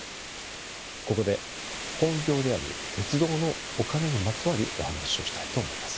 ここで本業である鉄道のお金にまつわるお話をしたいと思います。